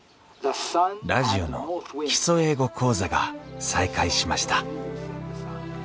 ラジオの「基礎英語講座」が再開しました